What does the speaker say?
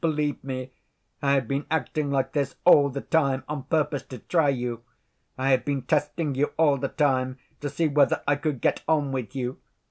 Believe me, I have been acting like this all the time on purpose to try you. I have been testing you all the time to see whether I could get on with you.